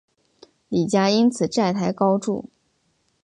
李家因此债台高筑。